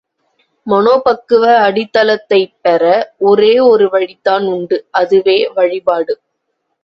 மனோபக்குவ அடித்தளத்தைப் பெற ஒரேயொரு வழிதான் உண்டு அதுவே வழிபாடு.